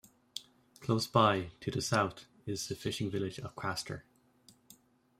Close by, to the south, is the fishing village of Craster.